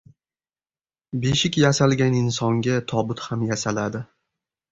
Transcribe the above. • Beshik yasalgan insonga tobut ham yasaladi.